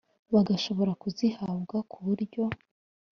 bagashobora kuzihabwa ku buryo